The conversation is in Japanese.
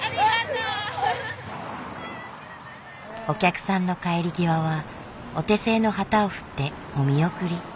お客さんの帰り際はお手製の旗を振ってお見送り。